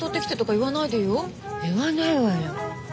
言わないわよ。